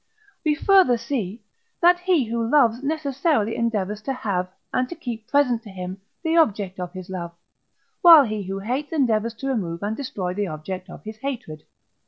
We further see, that he who loves necessarily endeavours to have, and to keep present to him, the object of his love; while he who hates endeavours to remove and destroy the object of his hatred.